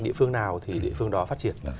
địa phương nào thì địa phương đó phát triển